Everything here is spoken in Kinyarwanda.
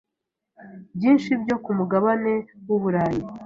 byinshi byo ku mugabane w’u Burayi